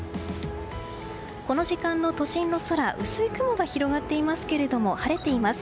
この時間の都心の空薄い雲が広がっていますけれども晴れています。